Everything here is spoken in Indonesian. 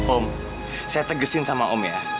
om saya tegesin sama om ya